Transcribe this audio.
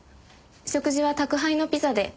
食事は宅配のピザで。